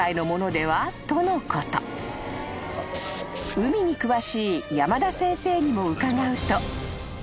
［海に詳しい山田先生にも伺うと］